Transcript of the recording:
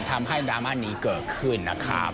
ดราม่านี้เกิดขึ้นนะครับ